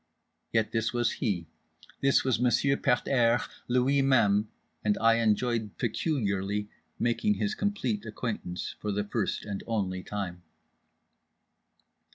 Yet this was he, this was Monsieur Pet airs Lui Même; and I enjoyed peculiarly making his complete acquaintance for the first and only time.